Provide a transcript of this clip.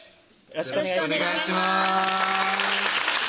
よろしくお願いします